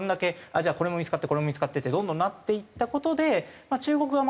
じゃあこれも見付かってこれも見付かってってどんどんなっていった事で中国側もかなり。